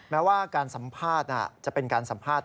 แม้ว่าการสัมภาษณ์จะเป็นการสัมภาษณ์